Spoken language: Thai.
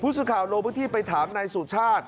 พุทธสุข่าวโลกพิธีไปถามนายสุชาติ